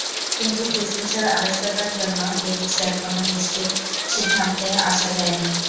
কিন্তু ফুসফুসের আড়ষ্টতার জন্যে এ বিষয়ে কোনো নিশ্চিত সিদ্ধান্তে আসা যায়নি।